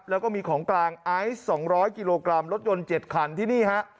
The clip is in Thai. แล้วก็มีของกลางไอซ์๒๐๐กิโลกรัมรถยนต์๗คันที่นี่ฮะ